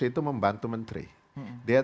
itu membantu menteri dia